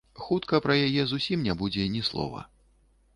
Хутка пра яе зусім не будзе ні слова.